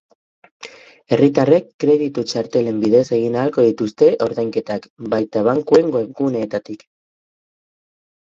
Herritarrek kreditu txartelen bidez egin ahalko dituzte ordainketak, baina bankuen webguneetatik.